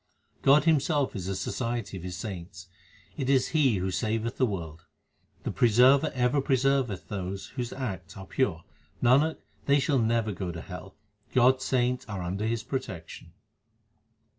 God Himself is the society of His saints : it is He who saveth the world. The Preserver ever preserveth those whose acts are pure ; Nanak, they shall never go to hell ; God s saints are under His protection.